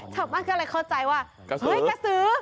ชาวบ้านก็เลยเข้าใจว่าเฮ้ยกระซื้อ